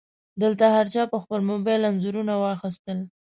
هلته هر چا په خپل موبایل انځورونه واخیستل.